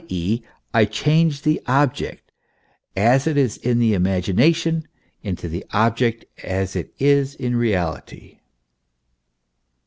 e., I change the object as it is in the imagination into the object as it is in reality.